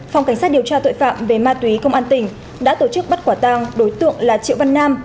phòng cảnh sát điều tra tội phạm về ma túy công an tỉnh đã tổ chức bắt quả tang đối tượng là triệu văn nam